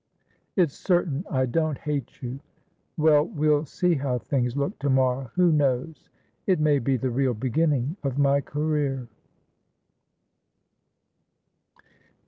"It's certain I don't hate you. Well, we'll see how things look to morrow. Who knows? It may be the real beginning of my career!"